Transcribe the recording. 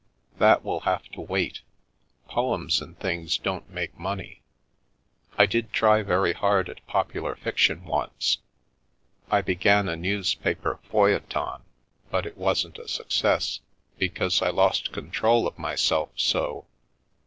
"That will have to wait Poems and things don't make money. I did try very hard at popular fiction once — I began a newspaper f euilleton, but it wasn't a success, because I lost control of myself so.